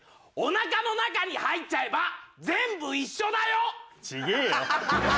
おなかの中に入っちゃえば全部一緒だよ。